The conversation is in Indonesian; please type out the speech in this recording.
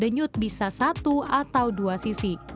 denyut bisa satu atau dua sisi